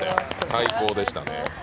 最高でしたね。